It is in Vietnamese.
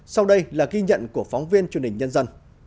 sau đây là ghi nhận của phóng viên truyền hình nhân dân